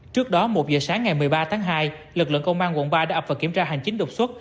trước đó một giờ sáng ngày một mươi ba tháng hai lực lượng công an quận ba đã ập vào kiểm tra hành chính đột xuất